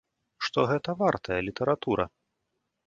Што гэта вартая літаратура.